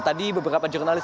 tadi beberapa jurnalis